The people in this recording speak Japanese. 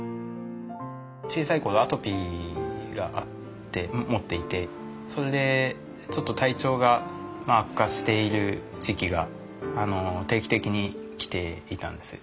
小さい頃アトピーがあってもっていてそれで体調が悪化している時期が定期的に来ていたんです。